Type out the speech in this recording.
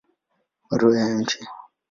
Barua kwa Mt.